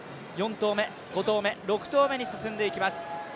４投目、５投目、６投目に進んでいきます。